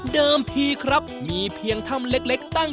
ทีครับมีเพียงถ้ำเล็กตั้ง